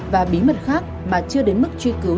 và bí mật khác mà chưa đến mức truy cứu